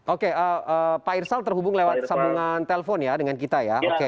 oke pak irsal terhubung lewat sambungan telpon ya dengan kita ya